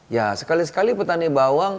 ya sekali sekali petani bawang